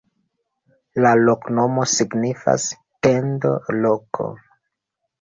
La loknomo signifas: tendo-loko.